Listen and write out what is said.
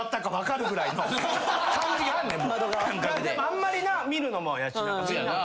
でもあんまり見るのも。